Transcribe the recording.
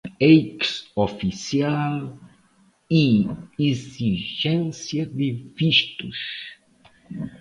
ex-oficial e exigência de vistos